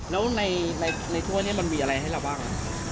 แล้วในถ้วยนี้มันมีอะไรให้เราบ้าง